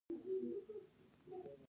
آیا کاناډا د لوبو سامان نه جوړوي؟